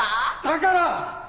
だから！